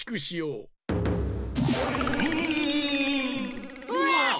うわ！